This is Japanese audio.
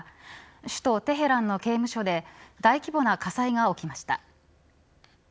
首都テヘランの刑務所で大規模な火災が起きました。